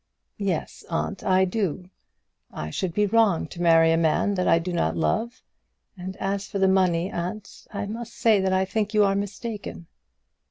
"Yes, aunt, I do. I should be wrong to marry a man that I do not love; and as for the money, aunt, I must say that I think you are mistaken."